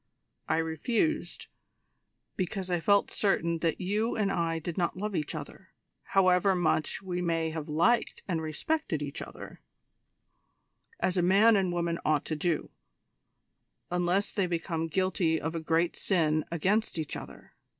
I refused, because I felt certain that you and I did not love each other however much we may have liked and respected each other as a man and woman ought to do, unless they become guilty of a great sin against each other.